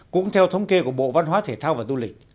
cũng theo thống kê của bộ văn hóa thể thao và du lịch